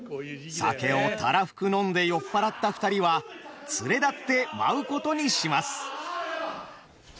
酒をたらふく飲んで酔っ払った二人は連れ立って舞うことにします。